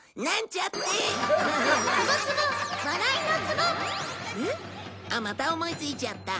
あっまた思いついちゃった。